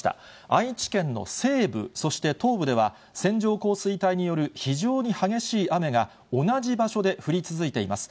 愛知県の西部、そして東部では、線状降水帯による非常に激しい雨が、同じ場所で降り続いています。